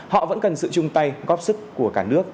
họ vẫn cần sự chung tay góp sức của cả nước